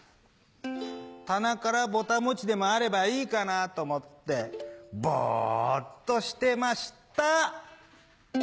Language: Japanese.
「棚からぼた餅」でもあればいいかなと思ってボっとしてました。